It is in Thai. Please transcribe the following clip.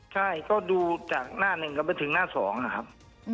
ใช่ก็ดูจากหน้าหนึ่งก็ไปถึงหน้า๒นะครับ